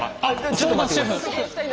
ちょっと待ってくれる？